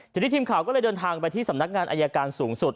ทีนี้ทีมข่าวก็เลยเดินทางไปที่สำนักงานอายการสูงสุด